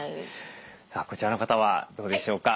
さあこちらの方はどうでしょうか。